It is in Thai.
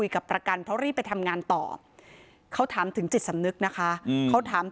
กับประกันผสมงานต่อเขาทำถึงจิตสำนึกนะคะทั้ง